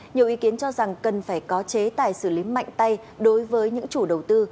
nhiều ý kiến cho rằng cần phải có chế tài xử lý mạnh tay đối với những chủ đầu tư